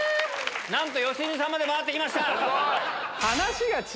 なんと良純さんまで回ってきました。